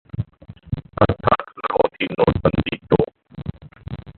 अर्थात्: न होती नोटबंदी तो...